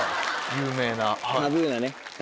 有名な。